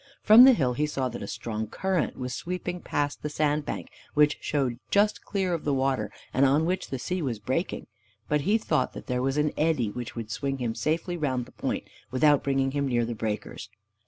From the hill, he saw that a strong current was sweeping past the sand bank, which showed just clear of the water, and on which the sea was breaking; but he thought there was an eddy which would swing him safely round the point, without bringing him near the breakers.